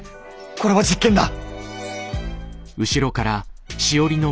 これは実験だ。